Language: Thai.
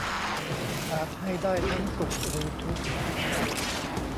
อาจให้ได้ทั้งสุขหรือทุกข์